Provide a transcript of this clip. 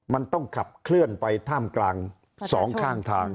มันต้องขับเคลื่อนไปท่ามกลางสองข้างทาง